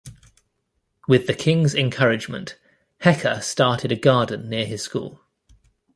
With the king's encouragement, Hecker started a garden near his school.